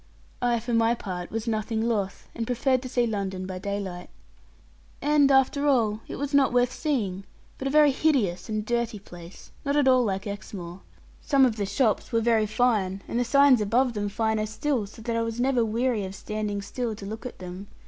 I for my part was nothing loth, and preferred to see London by daylight. And after all, it was not worth seeing, but a very hideous and dirty place, not at all like Exmoor. Some of the shops were very fine, and the signs above them finer still, so that I was never weary of standing still to look at them.